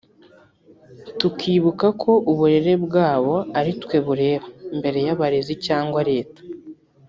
tukibuka ko uburere bwabo ari twe bureba mbere y’abarezi cyangwa Leta